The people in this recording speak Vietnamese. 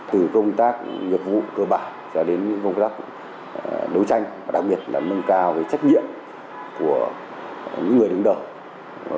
từ công tác nghiệp vụ cơ bản cho đến công tác đấu tranh và đặc biệt là nâng cao trách nhiệm của những người đứng đầu